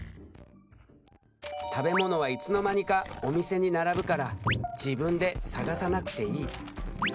食べ物はいつの間にかお店に並ぶから自分で探さなくていい。